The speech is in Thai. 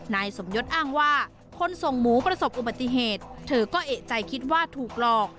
นายสมยศอ้างว่าคนส่งหมูประสบอุบัติเหตุเธอก็เอกใจคิดว่าถูกหลอก